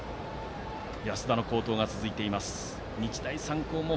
安田の好投が続いています。